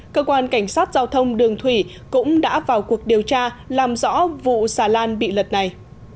cơ quan cảnh sát giao thông đường thủy cũng đã vào cuộc điều tra làm rõ vụ xà lan bị lật này